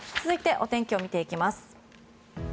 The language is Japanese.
続いてお天気を見ていきます。